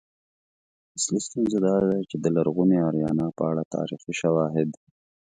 اصلی ستونزه دا ده چې د لرغونې آریانا په اړه تاریخي شواهد